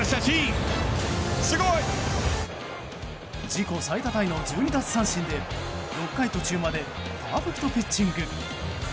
自己最多タイの１２奪三振で６回途中までパーフェクトピッチング。